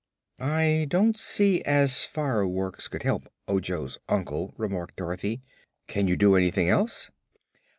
"I don't see as fireworks could help Ojo's uncle," remarked Dorothy. "Can you do anything else?"